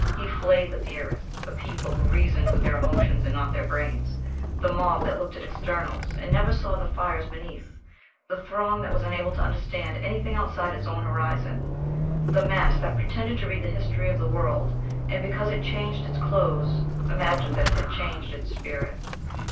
He flayed the theorists, the people who reasoned with their emotions and not their brains, the mob that looked at externals, and never saw the fires beneath, the throng that was unable to understand anything outside its own horizon, the mass that pretended to read the history of the world, and because it changed its clothes imagined that it had changed its spirit.